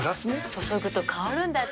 注ぐと香るんだって。